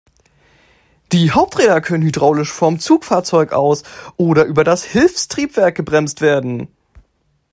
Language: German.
Die Haupträder können hydraulisch vom Zugfahrzeug aus oder über das Hilfstriebwerk gebremst werden.